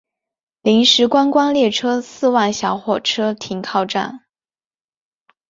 临时观光列车四万小火车停靠站。